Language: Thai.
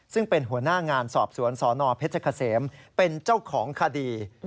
ซึ่งเป็นหัวหน้างานสอบสวนสนเพชรเกษมเป็นเจ้าของคดี